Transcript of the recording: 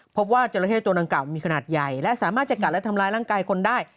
จราเข้ตัวดังกล่ามีขนาดใหญ่และสามารถจะกัดและทำร้ายร่างกายคนได้